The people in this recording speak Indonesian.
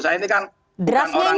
saya ini kan orang kepol kepolan